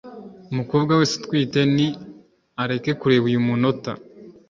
umukobwa wese utwite ni areke kureba uyu munota